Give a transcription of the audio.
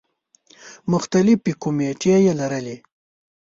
مختلفې کومیټې یې لرلې.